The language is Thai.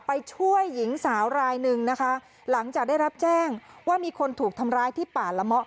ไปช่วยหญิงสาวรายหนึ่งนะคะหลังจากได้รับแจ้งว่ามีคนถูกทำร้ายที่ป่าละเมาะ